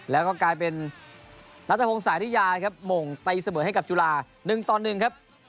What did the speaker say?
แล้วก็กลายเป็นรัฐพงศ์สาธิยามงตัยเสมอให้กับจุฬาหนึ่งต่อหนึ่งครับ